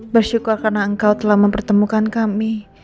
bersyukur karena engkau telah mempertemukan kami